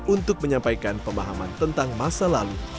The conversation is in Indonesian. untuk menyampaikan pemahaman tentang masa lalu